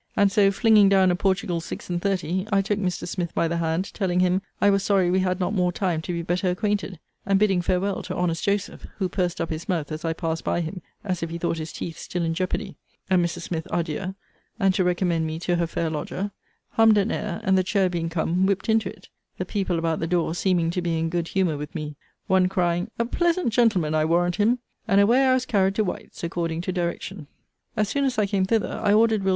And so flinging down a Portugal six and thirty, I took Mr. Smith by the hand, telling him, I was sorry we had not more time to be better acquainted; and bidding farewell to honest Joseph, (who pursed up his mouth as I passed by him, as if he thought his teeth still in jeopardy,) and Mrs. Smith adieu, and to recommend me to her fair lodger, hummed an air, and, the chair being come, whipt into it; the people about the door seeming to be in good humour with me; one crying, a pleasant gentleman, I warrant him! and away I was carried to White's, according to direction. As soon as I came thither, I ordered Will.